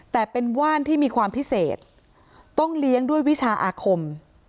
แต่เป็นว่านที่มีความพิเศษต้องเลี้ยงด้วยวิชาอาคม